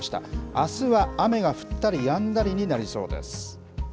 あすは雨が降ったりやんだりになりそうです。